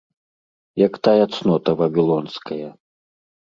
Як тая цнота вавілонская.